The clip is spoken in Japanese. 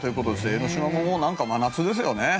江の島も、もう真夏ですよね。